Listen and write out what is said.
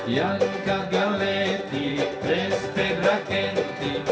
yang kagaleti res perakenti